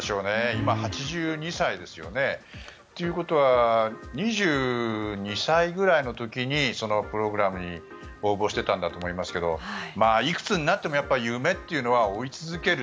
今、８２歳ですよね。ということは２２歳ぐらいの時にそのプログラムに応募していたんだと思いますけどいくつになっても夢というのは追い続ける